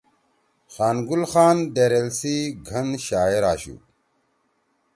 خان گل خان دیریل سی گھن شاعر آشُو۔